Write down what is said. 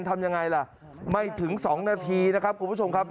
ทำยังไงล่ะไม่ถึง๒นาทีนะครับคุณผู้ชมครับ